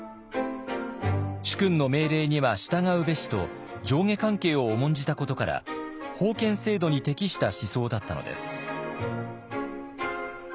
「主君の命令には従うべし」と上下関係を重んじたことから封建制度に適した思想だったのです。